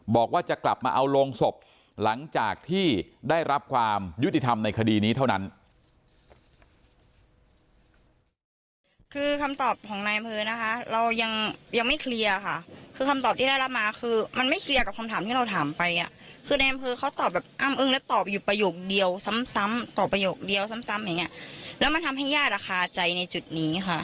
บอกว่าจะกลับมาเอาโรงศพหลังจากที่ได้รับความยุติธรรมในคดีนี้เท่านั้น